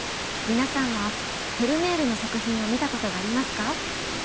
皆さんはフェルメールの作品を見たことがありますか？